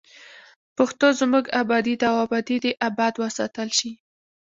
پښتو زموږ ابادي ده او ابادي دې اباد وساتل شي.